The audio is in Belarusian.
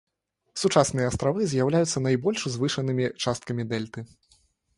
Сучасныя астравы з'яўляюцца найбольш узвышанымі часткамі дэльты.